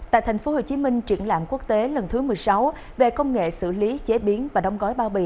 tại tp hcm triển lãm quốc tế lần thứ một mươi sáu về công nghệ xử lý chế biến và đóng gói bao bì